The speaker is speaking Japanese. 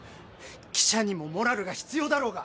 記者にもモラルが必要だろうが！